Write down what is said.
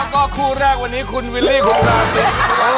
ขอบคุณครับ